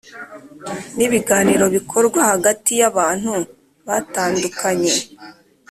ni ibiganiro bikorwa hagati y’abantu batandukanye